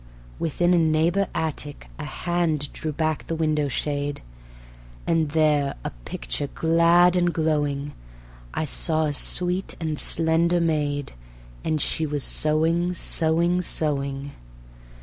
within a neighbor attic, A hand drew back the window shade, And there, a picture glad and glowing, I saw a sweet and slender maid, And she was sewing, sewing, sewing.